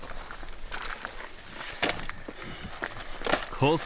コース